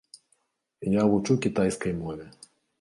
Я вучу кітайскай мове.